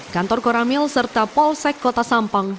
kantor koramil serta polsek kota sampang